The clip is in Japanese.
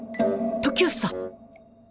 トキューサ。